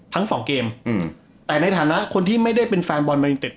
ทั้งสองเกมอืมแต่ในฐานะคนที่ไม่ได้เป็นแฟนบอลมายูเต็ด